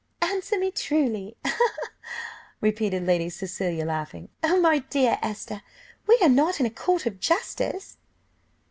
"Answer me truly!" repeated Lady Cecilia, laughing. "Oh, my dear Esther, we are not in a court of justice."